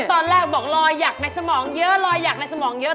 ตอนแรกบอกรอยหยักในสมองเยอะรอยหยักในสมองเยอะ